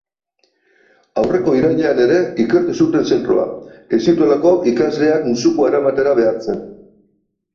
Aurreko irailean ere ikertu zuten zentroa, ez zituelako ikasleak musukoa eramatera behartzen.